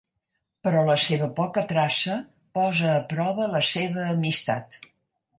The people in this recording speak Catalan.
Però la seva poca traça posa a prova la seva amistat.